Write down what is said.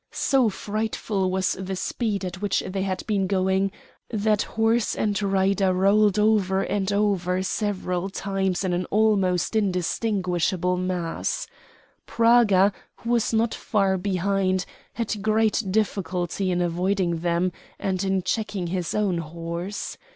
So frightful was the speed at which they had been going that horse and rider rolled over and over several times in an almost indistinguishable mass. Praga, who was not far behind, had great difficulty in avoiding them and in checking his own horse.